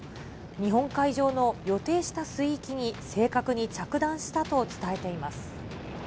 日本海上の予定した水域に正確に着弾したと伝えています。